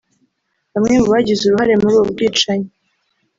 Bamwe mu bagize uruhare muri ubu bwicanyi